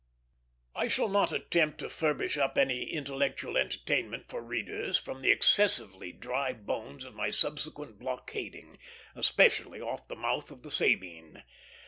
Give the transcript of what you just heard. I shall not attempt to furbish up any intellectual entertainment for readers from the excessively dry bones of my subsequent blockading, especially off the mouth of the Sabine.